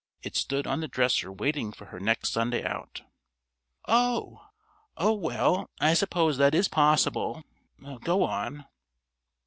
It stood on the dresser waiting for her next Sunday out." "Oh! Oh, well, I suppose that is possible. Go on."